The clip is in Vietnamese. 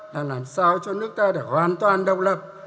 là làm sao cho nước ta được hoàn toàn độc lập